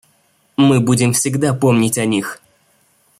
Мы будем всегда помнить о них.